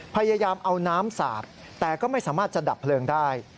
พยายามเอาน้ำสาดแต่ก็ไม่สามารถจะดับเพลิงได้